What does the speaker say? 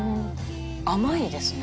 甘いですね。